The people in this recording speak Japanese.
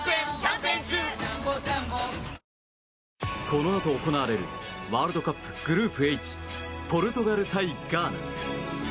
このあと行われるワールドカップグループＨポルトガル対ガーナ。